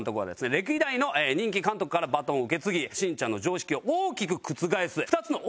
歴代の人気監督からバトンを受け継ぎ『しんちゃん』の常識を大きく覆す２つの大きな革命を起こします。